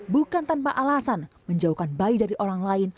bukan tanpa alasan menjauhkan bayi dari orang lain